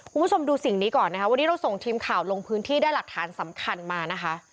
คุณผู้ชมดูสิ่งนี้ก่อนนะคะวันนี้เราส่งทีมข่าวลงพื้นที่ได้หลักฐานสำคัญมานะคะ